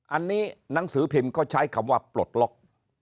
อันนี้หนังสือพิมพ์ก็ใช้คำว่าปลดล็อก